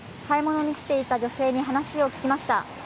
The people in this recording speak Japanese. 買い物に来ていた女性に話を聞きました。